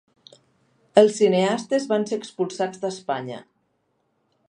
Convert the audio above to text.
Els cineastes van ser expulsats d'Espanya.